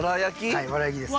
はい藁焼きです。